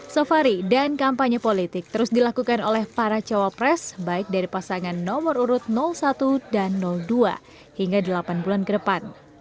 safari dan kampanye politik terus dilakukan oleh para cawapres baik dari pasangan nomor urut satu dan dua hingga delapan bulan ke depan